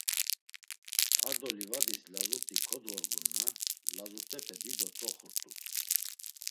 Ar do livadis lazut̆i kodvorgun na lazut̆epe dido t̆roxurt̆u.